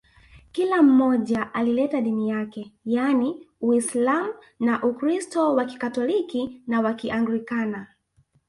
Kila mmoja alileta dini yake yaani Uislamu na Ukristo wa Kikatoliki na wa Kianglikana